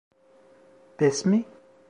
Pes mi?